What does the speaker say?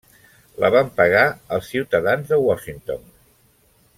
La van pagar els ciutadans de Washington.